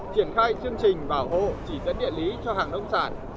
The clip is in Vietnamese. triển khai chương trình bảo hộ chỉ dẫn địa lý cho hàng nông sản